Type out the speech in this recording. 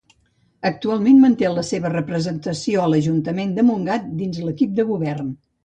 Actualment manté la seva representació a l'ajuntament de Montgat, dins l'equip de govern.